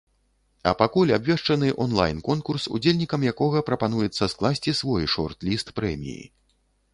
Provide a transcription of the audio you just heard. А пакуль абвешчаны онлайн-конкурс, удзельнікам якога прапануецца скласці свой шорт-ліст прэміі.